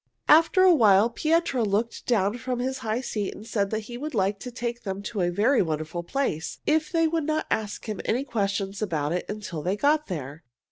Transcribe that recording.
After a while Pietro looked down from his high seat and said that he would like to take them to a very wonderful place if they would not ask him any questions about it until they got there.